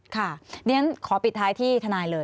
ค่ะเรียนขอปิดท้ายที่ทนายเลย